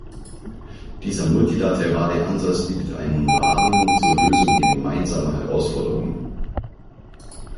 Dieser multilaterale Ansatz bietet einen Rahmen zur Lösung gemeinsamer Herausforderungen.